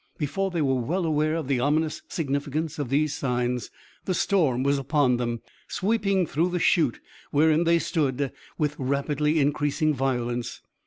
Before they were well aware of the ominous significance of these signs the storm was upon them, sweeping through the chute wherein they stood with rapidly increasing violence.